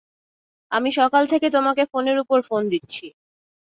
আমি সকাল থেকে তোমাকে ফোনের উপর ফোন দিচ্ছি।